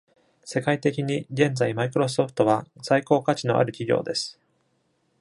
世界的に、現在マイクロソフトは最高価値のある企業です。